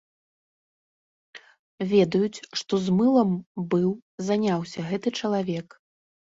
Ведаюць, што з мылам быў заняўся гэты чалавек.